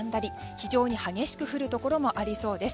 非常に激しく降るところもありそうです。